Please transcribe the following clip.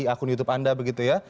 akun youtube anda